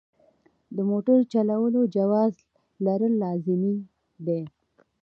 د موټر چلولو جواز لرل لازمي دي.